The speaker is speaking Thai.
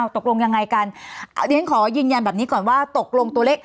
ตกลงยังไงกันเดี๋ยวฉันขอยืนยันแบบนี้ก่อนว่าตกลงตัวเลข